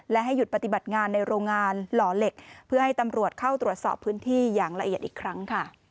และให้หยุดปฏิบัติงานในโรงงานหล่อเหล็กเพื่อให้ตำรวจเข้าตรวจสอบพื้นที่อย่างละเอียดอีกครั้งค่ะ